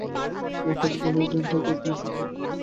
হয়তো পনেরো দিন, হয়তো একমাস কুমুদকে সে দেখিতে পাইবে না।